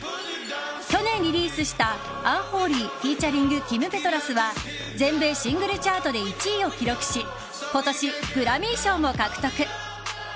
去年リリースした「アンホーリーｆｅａｔ．キム・ペトラス」は全米シングルチャートで１位を記録し今年、グラミー賞も獲得。